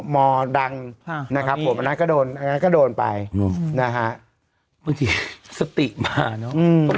มอดังฮะนะครับผมอันนั้นก็โดนอันนั้นก็โดนไปอืมนะฮะสติมาเนอะอืม